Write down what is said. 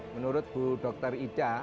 menurut bu dr ida